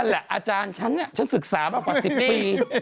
นั่นแหละอาจารย์ฉันฉันศึกษามากว่า๑๐ปี